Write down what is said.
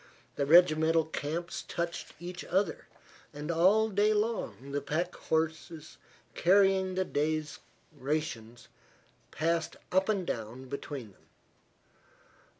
The regimental camps touched each other, and all day long the pack trains carrying the day's rations passed up and down between them.